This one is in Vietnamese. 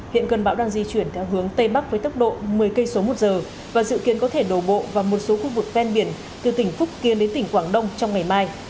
hiện cơn bão đang di chuyển theo hướng tây bắc với tốc độ một mươi km một giờ và dự kiến có thể đổ bộ vào một số khu vực ven biển từ tỉnh phúc kiên đến tỉnh quảng đông trong ngày mai